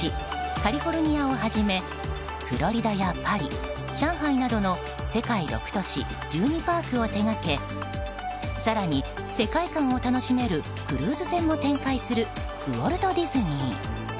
カリフォルニアをはじめフロリダやパリ、上海などの世界６都市１２パークを手掛け更に、世界観を楽しめるクルーズ船も展開するウォルト・ディズニー。